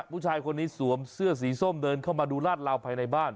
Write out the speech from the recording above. ผู้ชายคนนี้สวมเสื้อสีส้มเดินเข้ามาดูลาดลาวภายในบ้าน